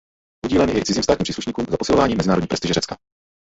Udílen je i cizím státním příslušníkům za posilování mezinárodní prestiže Řecka.